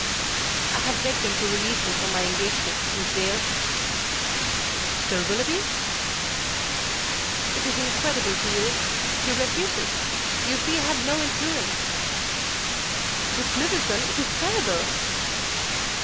"I have begged him to release me from my engagement, Miss Dale." "Sir Willoughby?" "It is incredible to you. He refuses. You see I have no influence." "Miss Middleton, it is terrible!"